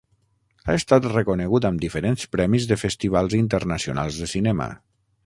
Ha estat reconegut amb diferents premis de festivals internacionals de cinema.